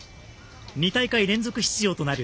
２大会連続出場となる